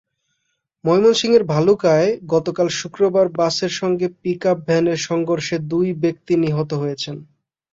ময়মনসিংহের ভালুকায় গতকাল শুক্রবার বাসের সঙ্গে পিকআপ ভ্যানের সংঘর্ষে দুই ব্যক্তি নিহত হয়েছেন।